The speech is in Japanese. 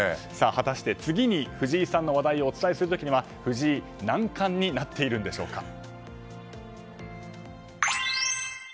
果たして次に藤井さんの話題をお伝えする時には藤井何冠になっているんでしょうか。